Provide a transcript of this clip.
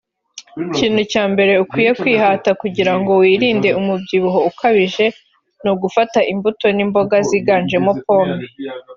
Ikintu cya mbere ukwiye kwihata kugira ngo wirinde umubyibuho ukabije ni ugufata imbuto n’imboga ziganjemo pomme